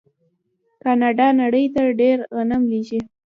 کاناډا نړۍ ته ډیر غنم لیږي.